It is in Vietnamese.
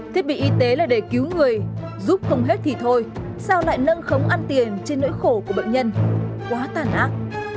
thiết bị y tế là để cứu người giúp không hết thì thôi sao lại nâng khống ăn tiền trên nỗi khổ của bệnh nhân quá tàn ác